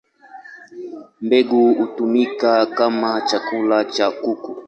Mbegu hutumika kama chakula cha kuku.